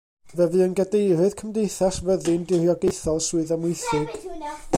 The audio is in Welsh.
Fe fu yn Gadeirydd Cymdeithas Fyddin Diriogaethol Swydd Amwythig.